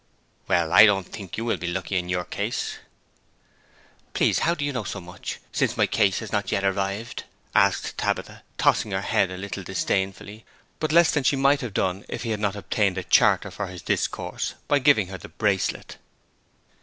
'Well, I don't think you will be lucky in your case.' 'Please how do you know so much, since my case has not yet arrived?' asked Tabitha, tossing her head a little disdainfully, but less than she might have done if he had not obtained a charter for his discourse by giving her the bracelet.